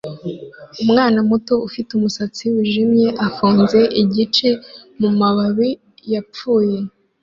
Umwana muto ufite umusatsi wijimye afunze igice mumababi yapfuye